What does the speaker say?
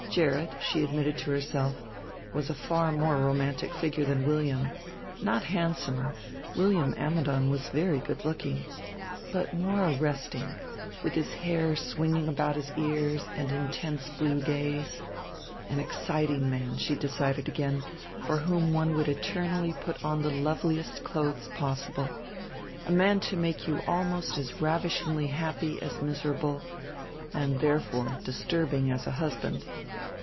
Gerrit, she admitted to herself, was a far more romantic figure than William; not handsomer William Ammidon was very good looking but more arresting, with his hair swinging about his ears and intense blue gaze. An exciting man, she decided again, for whom one would eternally put on the loveliest clothes possible; a man to make you almost as ravishingly happy as miserable, and, therefore, disturbing as a husband.